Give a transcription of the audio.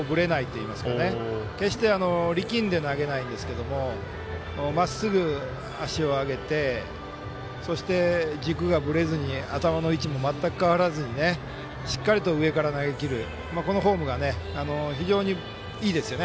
この頭が全くぶれないといいますか決して力んで投げないんですけどまっすぐ足を上げてそして、軸がぶれずに頭の位置も全く変わらずにしっかりと上から投げきるこのフォームが非常にいいですよね。